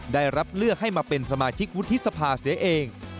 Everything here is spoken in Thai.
ได้รับเลือกให้มาเป็นสมาชิกวุฒิสภาเสียเอง